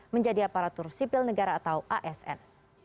menjadi aparatur sipil negara atau asn